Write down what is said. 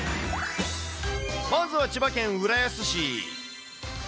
まずは千葉県浦安市。